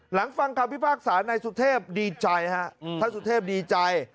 หลังฟังคำพิพากษาในสุทธิบดีใจฮะอืมท่านสุทธิบดีใจ